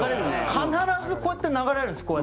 必ず、こうやって流れるんです。